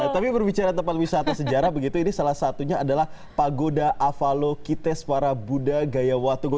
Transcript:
tapi berbicara tempat wisata sejarah ini salah satunya adalah pagoda avalokiteshvara buddha gayawatung